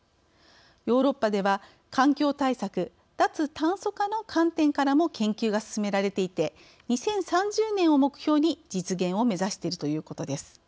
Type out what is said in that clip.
ヨーロッパでは環境対策脱炭素化の観点からも研究が進められていて２０３０年を目標に実現を目指しているということです。